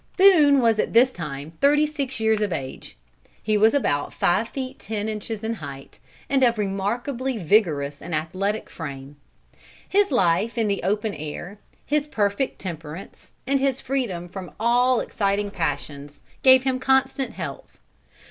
Boone was at this time thirty six years of age. He was about five feet ten inches in height, and of remarkably vigorous and athletic frame. His life in the open air, his perfect temperance, and his freedom from all exciting passions, gave him constant health.